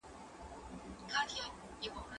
زه مخکي د تکړښت لپاره تللي وو؟!